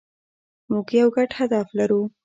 موږ یو ګډ هدف لرو.